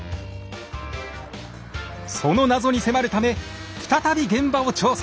その謎に迫るため再び現場を調査！